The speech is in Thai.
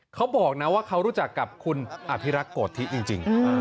เขาบอกนะว่าเขารู้จักกับคุณอภิรักษ์โกธิจริง